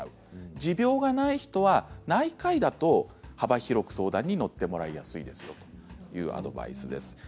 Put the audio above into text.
持病がない人は内科医だと幅広く相談に乗ってもらいやすいですよというアドバイスです。